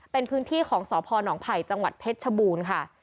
เป็นพื้นที่ของสพนไผ่จังหวัดเพชรชบูรณ์ค่ะ